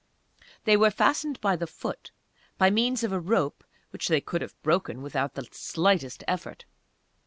They were fastened by the foot, by means of a rope which they could have broken without the slightest effort.